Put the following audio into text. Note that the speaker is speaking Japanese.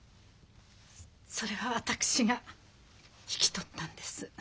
それは私が引き取ったんです。